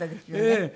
ええ。